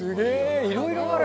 いろいろある。